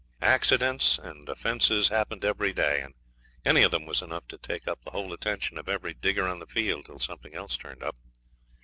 Accidents and offences happened every day, and any of them was enough to take up the whole attention of every digger on the field till something else turned up.